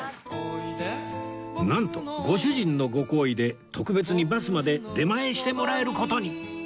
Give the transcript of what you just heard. なんとご主人のご厚意で特別にバスまで出前してもらえる事に！